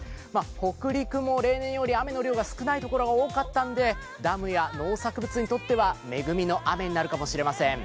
北陸も例年より雨の量が少ないところが多かったんで、ダムや農作物にとっては恵みの雨になるかもしれません。